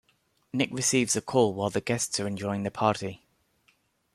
Nick receives a call while the guests are enjoying the party.